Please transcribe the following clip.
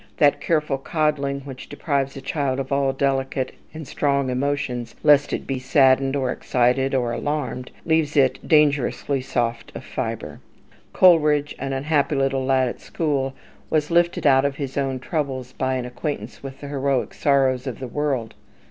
That careful coddling which deprives a child of all delicate and strong emotions lest it be saddened, or excited, or alarmed, leaves it dangerously soft of fibre. Coleridge, an unhappy little lad at school, was lifted out of his own troubles by an acquaintance with the heroic sorrows of the world.